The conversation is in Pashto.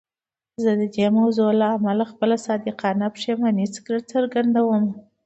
زه د دې موضوع له امله خپله صادقانه پښیماني څرګندوم.